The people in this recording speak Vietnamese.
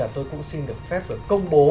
tôi cũng xin được phép công bố